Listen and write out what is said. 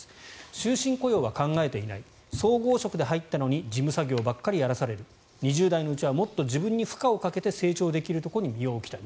終身雇用は考えていない総合職で入ったのに事務作業ばっかりやらされる２０代のうちはもっと自分に負荷をかけて成長できるところに身を置きたい。